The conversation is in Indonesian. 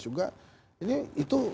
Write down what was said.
juga ini itu